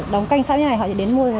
đóng canh sẵn như này họ sẽ đến mua